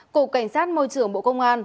cục cảnh sát môi trường bộ công an